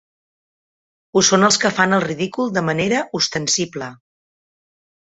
Ho són els que fan el ridícul de manera ostensible.